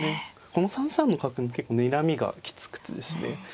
この３三の角の結構にらみがきつくてですね